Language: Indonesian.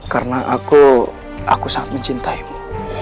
karena aku sangat mencintaimu